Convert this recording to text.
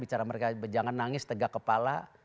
bicara mereka jangan nangis tegak kepala